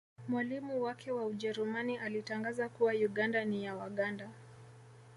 Mwalimu wake wa Ujerumani alitangaza kuwa Uganda ni ya Waganda